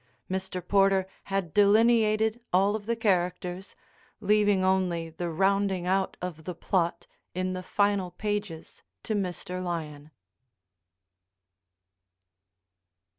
Mr. Porter had delineated all of the characters, leaving only the rounding out of the plot in the final pages to Mr. Lyon.